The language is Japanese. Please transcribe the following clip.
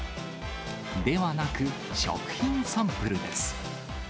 ではなく、食品サンプルです。